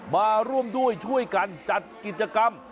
มาร่วมด้วยช่วยกันจัดกิจกรรม